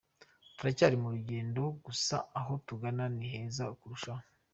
Turacyari mu rugendo gusa aho tugana ni heza kurushaho.